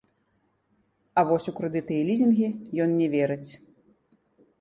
А вось у крэдыты і лізінгі ён не верыць.